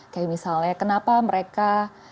kayak misalnya kenapa mereka